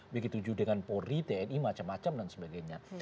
begitu juga dengan polri tni macam macam dan sebagainya